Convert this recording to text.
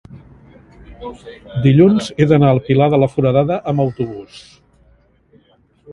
Dilluns he d'anar al Pilar de la Foradada amb autobús.